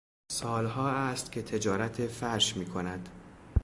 سالها است که تجارت فرش میکند.